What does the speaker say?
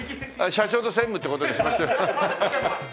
社長と専務って事にしましょう。